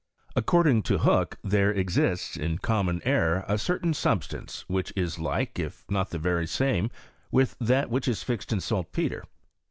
According to Hook there exists in com mon air a certain substance which is hke, if not the very same with that which is fixed in saltpetre.